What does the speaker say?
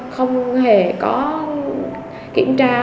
không hề có kiểm tra